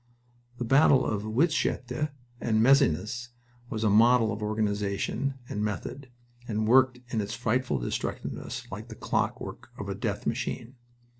The battle of Wytschaete and Messines was a model in organization and method, and worked in its frightful destructiveness like the clockwork of a death machine.